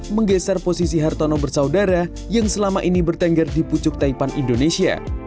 menggeser posisi hartono bersaudara yang selama ini bertengger di pucuk taipan indonesia